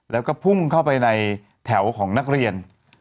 แล้วก็พุ่งเข้าไปในแถวของนักเรียน